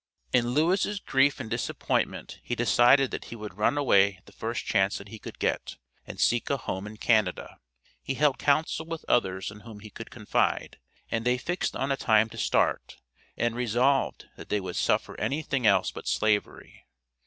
In Lewis' grief and disappointment he decided that he would run away the first chance that he could get, and seek a home in Canada. He held counsel with others in whom he could confide, and they fixed on a time to start, and resolved that they would suffer anything else but Slavery.